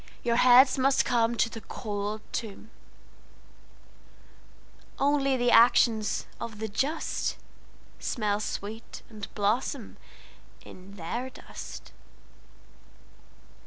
Your heads must comeTo the cold tomb:Only the actions of the justSmell sweet, and blossom in their dust.